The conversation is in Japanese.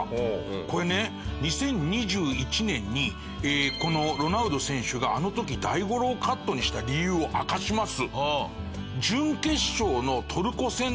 これね２０２１年にロナウド選手があの時大五郎カットにした理由を明かします。